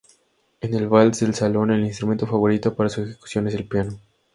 En el vals de salón, el instrumento favorito para su ejecución es el piano.